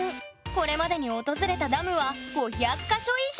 これまでに訪れたダムは５００か所以上！